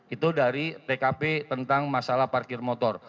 itu dari tkp tentang masalah parkir motor